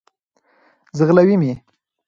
ځغلوی مي .